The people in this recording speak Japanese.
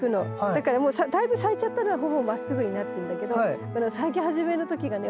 だからだいぶ咲いちゃったのはほぼまっすぐになってんだけどこの咲き始めの時がね